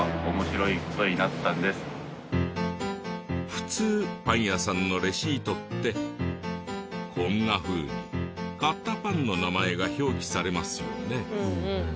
普通パン屋さんのレシートってこんなふうに買ったパンの名前が表記されますよね。